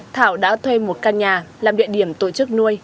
thảo đã thuê một căn nhà làm địa điểm tổ chức nuôi